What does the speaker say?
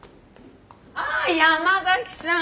あ山崎さん